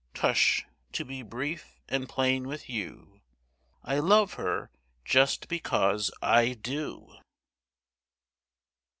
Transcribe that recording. Tush to be brief and plain with you, I love her just because I do.